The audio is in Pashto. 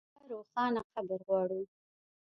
مړه ته روښانه قبر غواړو